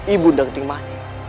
ibu ndang ting mani